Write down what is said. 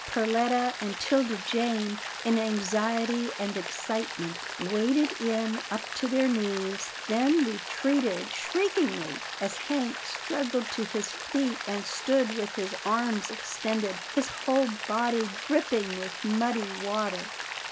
Perletta and 'Tilda Jane, in anxiety and excite ment, waded in up to their knees, then retreated shriekingly, as Hank struggled to his feet, and stood with arms extended, his whole body dripping with muddy water.